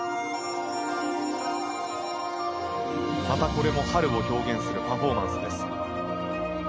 またこれも春を表現するパフォーマンスです。